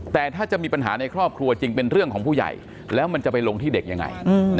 แต่ถ้าจะมีปัญหาในครอบครัวจริงเป็นเรื่องของผู้ใหญ่แล้วมันจะไปลงที่เด็กยังไง